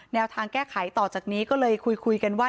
แนวทางแก้ไขต่อจากนี้ก็เลยคุยกันว่า